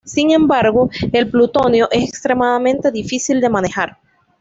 Sin embargo, el plutonio es extremadamente difícil de manejar.